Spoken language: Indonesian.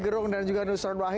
terima kasih pak